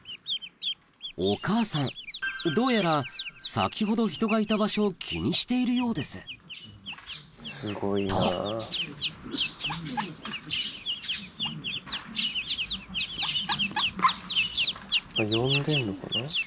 お母さんどうやら先ほど人がいた場所を気にしているようですと呼んでんのかな？